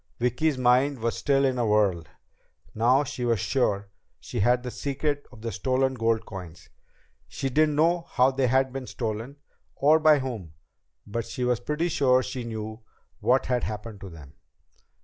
Vicki's mind was still in a whirl. Now she was sure she had the secret of the stolen gold coins! She didn't know how they had been stolen, or by whom. But she was pretty sure she knew what had happened to them.